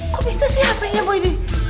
kok bisa sih hapenya boy di